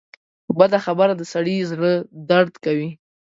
په بده خبره د سړي زړۀ دړد کوي